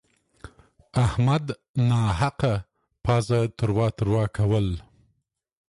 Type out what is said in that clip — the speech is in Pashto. احمد ناحقه پزه تروه تروه کوله.